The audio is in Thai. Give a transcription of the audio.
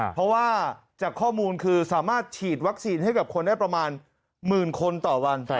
เพราะว่าจากข้อมูลคือสามารถฉีดวัคซีนให้กับคนได้ประมาณหมื่นคนต่อวัน